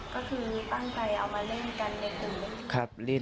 ก็คือตั้งใจเอามาเล่นกันเล่นอื่น